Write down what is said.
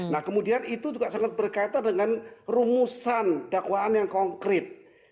nah kemudian itu juga sangat berkaitan dengan rumusan dakwaan yang konkret